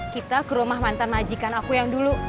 kita ke rumah mantan majikan aku yang dulu